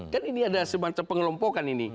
kan ini ada semacam pengelompokan ini